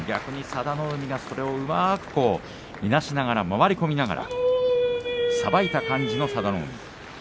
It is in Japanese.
佐田の海がうまくいなしながら回り込みながらさばいた感じの佐田の海。